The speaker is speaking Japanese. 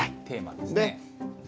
テーマですね。